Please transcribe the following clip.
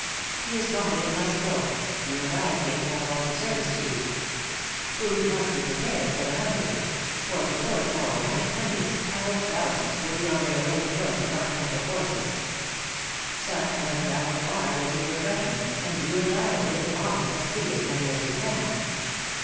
"He is wanted and must go. You and I, Kate, have also service to do. Food must be prepared for the hungry; for before to morrow night, hundreds, I hope thousands, will be on their way to join the continental forces. Some who have travelled far will need refreshment, and you and I, with Molly, must feed as many as we can."